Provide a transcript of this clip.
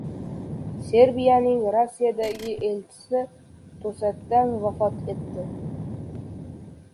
Serbiyaning Rossiyadagi elchisi to‘satdan vafot etdi